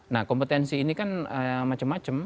nah kompetensi ini kan macam macam